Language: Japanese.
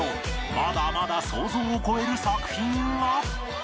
まだまだ想像を超える作品が！